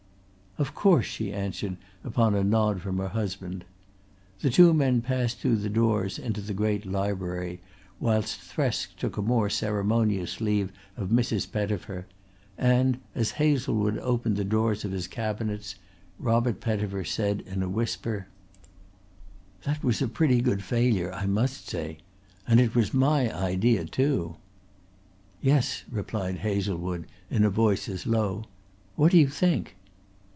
"Of course," she answered upon a nod from her husband. The two men passed through the doors into the great library whilst Thresk took a more ceremonious leave of Mrs. Pettifer; and as Hazlewood opened the drawers of his cabinets Robert Pettifer said in a whisper: "That was a pretty good failure, I must say. And it was my idea too." "Yes," replied Hazlewood in a voice as low. "What do you think?"